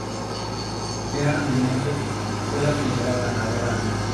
Brea Bennett fue la primera ganadora.